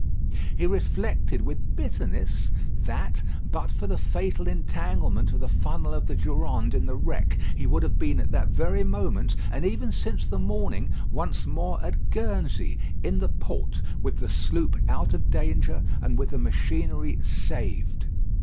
He reflected with bitterness that, but for the fatal entanglement of the funnel of the Durande in the wreck, he would have been at that very moment, and even since the morning, once more at Guernsey, in the port, with the sloop out of danger and with the machinery saved.